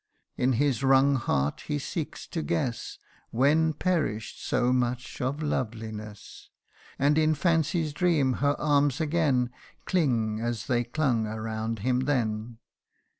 In his wrung heart he seeks to guess When perish 'd so much of loveliness ; CANTO IV. 157 And in Fancy's dream her arms again Cling, as they clung around him then.